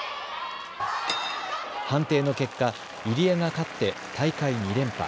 判定の結果、入江が勝って大会２連覇。